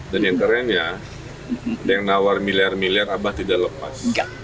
dan yang keren ya yang menawar miliar miliar abah tidak lepas